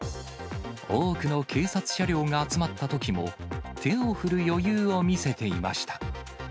多くの警察車両が集まったときも、手を振る余裕を見せていました。